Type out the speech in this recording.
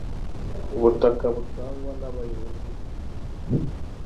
ubutaka butangwa n, abayobozi bw,ibanze